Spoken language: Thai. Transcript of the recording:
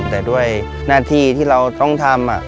แต่ด้วยหน้าที่ที่เราต้องทำ